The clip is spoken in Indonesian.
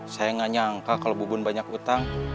saya nggak nyangka kalau bubun banyak utang